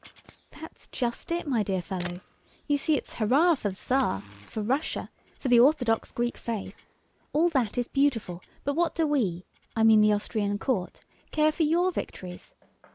"That's just it, my dear fellow. You see it's hurrah for the Tsar, for Russia, for the Orthodox Greek faith! All that is beautiful, but what do we, I mean the Austrian court, care for your victories?